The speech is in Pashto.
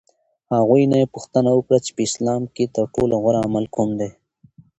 هغوی نه یې پوښتنه وکړه چې په اسلام کې ترټولو غوره عمل کوم دی؟